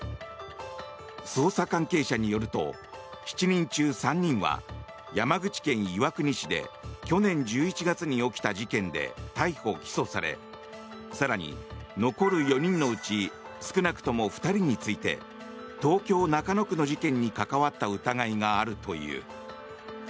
捜査関係者によると７人中３人は山口県岩国市で去年１１月に起きた事件で逮捕・起訴され更に、残る４人のうち少なくとも２人について東京・中野区の事件に関わった疑いがあるという。